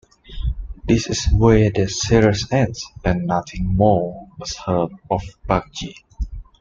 This is where the series ended and nothing more was heard of Budgie.